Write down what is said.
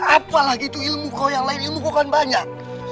apalagi itu ilmu kau yang lain ilmu kau kan banyak